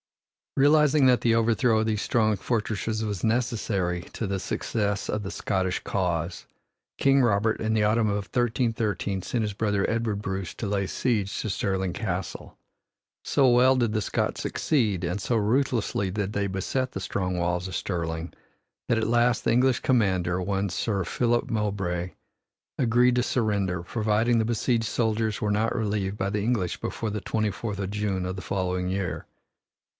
Realizing that the overthrow of these strong fortresses was necessary to the success of the Scottish cause, King Robert in the autumn of 1313 sent his brother, Edward Bruce, to lay siege to Stirling Castle. So well did the Scots succeed and so ruthlessly did they beset the strong walls of Stirling that at last the English commander, one Sir Philip Mowbray, agreed to surrender, providing the besieged soldiers were not relieved by the English before the twenty fourth of June of the following year.